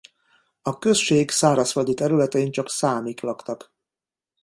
A község szárazföldi területein csak számik laktak.